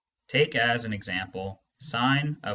Take as an example sin i/x.